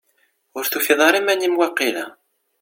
Ur tufiḍ ara iman-im, waqila?